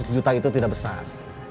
seratus juta itu tidak besar